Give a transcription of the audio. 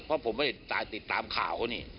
เพราะผมไม่ได้ติดตามข่าวนี่